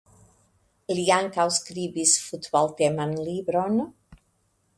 Li ankaŭ skribis futbalteman libron.